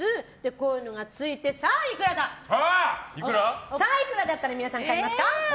こういうのがついてさあ、いくらだったら皆さん買いますか？